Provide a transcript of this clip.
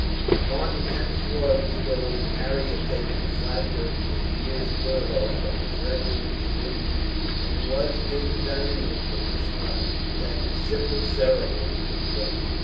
Upon the tenth floor of this building Harry had taken a flat during his year's furlough from his regiment in India; and it was in the dining room of this flat that the simple ceremony took place.